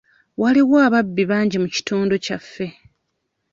Waliwo ababbi bangi mu kitundu kyaffe.